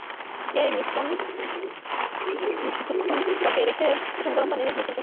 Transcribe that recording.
এই মিশ্রণ কিছুক্ষণ ত্বকে রেখে কুসুমগরম পানি দিয়ে ধুয়ে ফেলতে হবে।